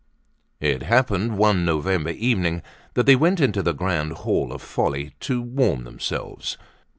It happened one November evening that they went into the "Grand Hall of Folly" to warm themselves.